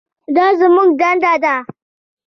دا زموږ دنده ده.